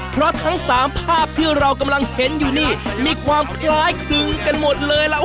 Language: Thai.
เพราะทั้งสามภาพที่เรากำลังเห็นอยู่นี่มีความคล้ายคลึงกันหมดเลยล่ะ